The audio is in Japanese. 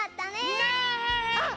あっ！